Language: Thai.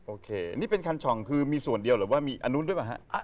โอเคนี่เป็นคันช่องคือมีส่วนเดียวหรือว่ามีอันนู้นด้วยป่ะฮะ